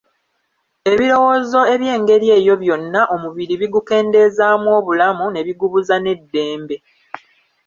Ebirowoozo eby'engeri eyo byonna omubiri bigukendeezaamu obulamu ne bigubuza n'eddembe.